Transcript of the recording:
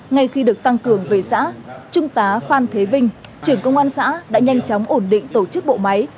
ngay khi được tăng cường về xã trung tá phan thế vinh trưởng công an xã đã nhanh chóng ổn định tổ chức bộ máy